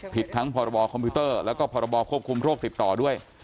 ผิดทั้งพรบคอมพิวเตอร์แล้วก็พรบควบคุมโรคติดต่อด้วย